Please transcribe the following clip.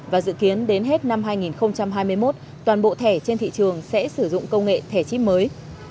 và dự kiến đến hết năm hai nghìn hai mươi một toàn bộ thẻ trên thị trường sẽ sử dụng công nghệ thẻ chip mới